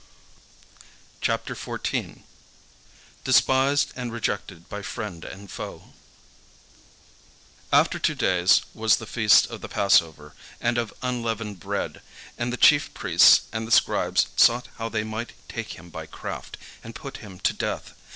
CHAPTER XIV DESPISED AND REJECTED BY FRIEND AND FOE After two days was the feast of the passover, and of unleavened bread: and the chief priests and the scribes sought how they might take him by craft, and put him to death.